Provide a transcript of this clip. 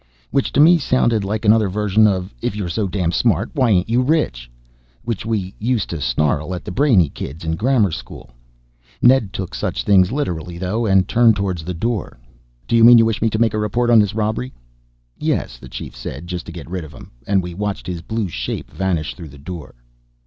Which to me sounded like another version of "if you're so damned smart why ain't you rich?" which we used to snarl at the brainy kids in grammar school. Ned took such things literally though, and turned towards the door. "Do you mean you wish me to make a report on this robbery?" "Yes," the Chief said just to get rid of him, and we watched his blue shape vanish through the door.